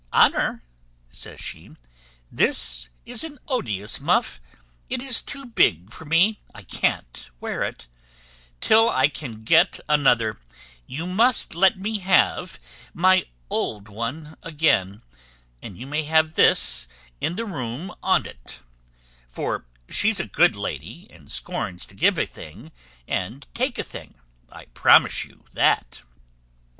Honour, says she, this is an odious muff; it is too big for me, I can't wear it: till I can get another, you must let me have my old one again, and you may have this in the room on't for she's a good lady, and scorns to give a thing and take a thing, I promise you that.